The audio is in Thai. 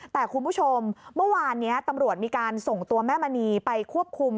แต่คุณผู้ชมเมื่อวานนี้ตำรวจมีการส่งตัวแม่มณีไปควบคุม